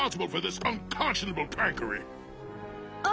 あ。